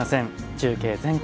中継「全国